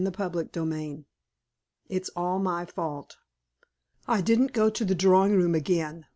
Chapter XVIII. IT'S ALL MY FAULT I didn't go to the drawing room again.